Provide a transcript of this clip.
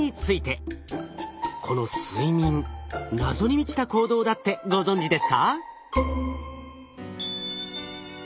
この睡眠謎に満ちた行動だってご存じですか？